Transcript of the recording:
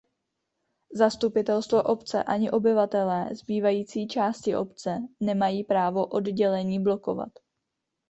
Zastupitelstvo obce ani obyvatelé zbývající části obce nemají právo oddělení blokovat.